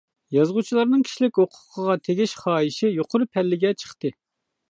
يازغۇچىلارنىڭ كىشىلىك ھوقۇقىغا تېگىش خاھىشى يۇقىرى پەللىگە چىقتى.